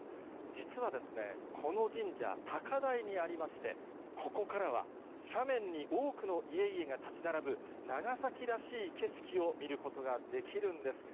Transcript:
実はですね、この神社、高台にありまして、ここからは、斜面に多くの家々が建ち並ぶ、長崎らしい景色を見ることができるんです。